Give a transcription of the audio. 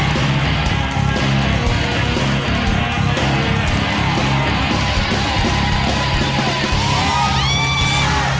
รอยเพลง